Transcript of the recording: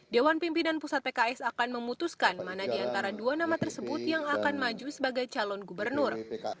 dewan pimpinan pusat pks akan memutuskan mana di antara dua nama tersebut yang akan maju sebagai calon gubernur